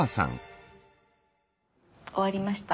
終わりました。